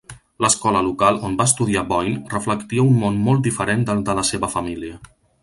L'escola local on va estudiar Boine reflectia un món molt diferent del de la seva família.